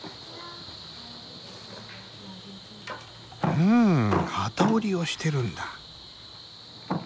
うん機織りをしてるんだ。